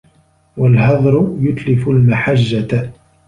وَالْهَذْرَ يُتْلِفُ الْمَحَجَّةَ